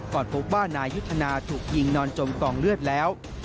ก่อนพบว่านายุทธนาถูกยิงนอนจมกองเลือดแล้ว